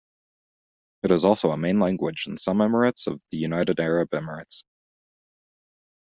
It is also a main language in some Emirates of the United Arab Emirates.